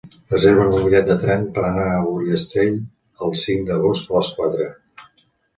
Reserva'm un bitllet de tren per anar a Ullastrell el cinc d'agost a les quatre.